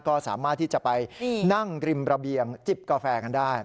ก็สามารถที่จะไปนั่งริมระเบียงจิบกาแฟกันได้